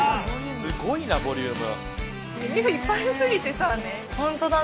すごいなボリューム。